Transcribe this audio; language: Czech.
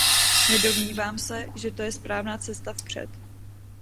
Nedomnívám se, že to je správná cesta vpřed.